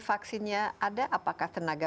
vaksinnya ada apakah tenaga